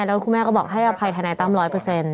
แล้วคุณแม่ก็บอกให้อภัยทนายตั้มร้อยเปอร์เซ็นต